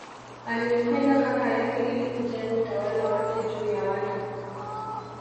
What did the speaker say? Alimpinga kaka yake ili kujenga utawala wake juu ya watu